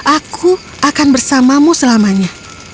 aku akan bersamamu selamanya